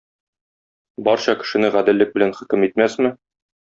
Барча кешене гаделлек белән хөкем итмәсме?